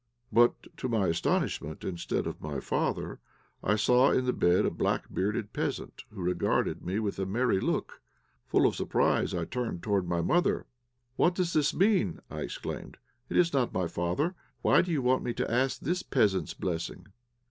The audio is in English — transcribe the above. But to my astonishment instead of my father I saw in the bed a black bearded peasant, who regarded me with a merry look. Full of surprise, I turned towards my mother. "What does this mean?" I exclaimed. "It is not my father. Why do you want me to ask this peasant's blessing?"